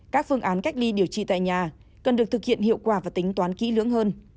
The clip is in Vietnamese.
các phương án cách ly điều trị tại nhà cần được thực hiện hiệu quả và tính toán kỹ lưỡng hơn